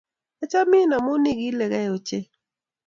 Achamin amu igiligei ochei